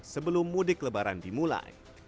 sebelum mudik lebaran dimulai